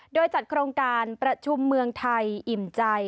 โดยจัดโครงการประชุมเมืองไทยอิ่มใจ